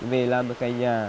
về làm một cái nhà